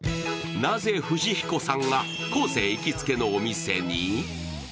なぜ富士彦さんが昴生行きつけのお店に？